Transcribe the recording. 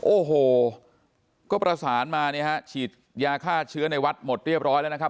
โอ้โหก็ประสานมาเนี่ยฮะฉีดยาฆ่าเชื้อในวัดหมดเรียบร้อยแล้วนะครับ